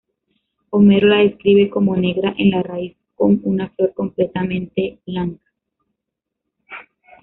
Homero la describe como negra en la raíz con una flor completamente blanca.